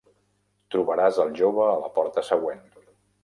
Trobaràs al jove a la porta següent.